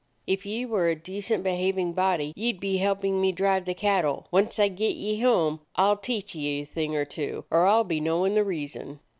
"If ye were a decent behaving body, ye 'd be helping me drive the cattle. Once I get ye home, I 'll teach ye a thing or two, or I 'll be knowin' the reason."